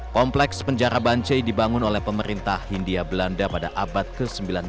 kompleks penjara bancai dibangun oleh pemerintah hindia belanda pada abad ke sembilan belas